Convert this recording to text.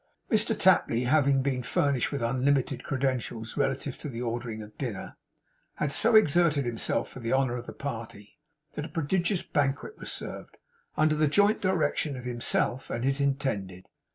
Mr Tapley having been furnished with unlimited credentials relative to the ordering of dinner, had so exerted himself for the honour of the party, that a prodigious banquet was served, under the joint direction of himself and his Intended.